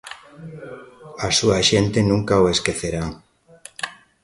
A súa xente nunca o esquecerá.